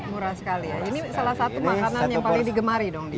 murah sekali ya ini salah satu makanan yang paling digemari dong